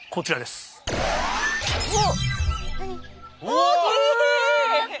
大きい！